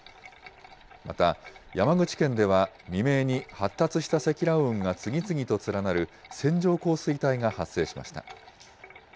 また、山口県では、未明に発達した積乱雲が次々と連なる線状降水帯が発生しました。